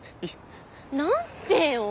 何でよ！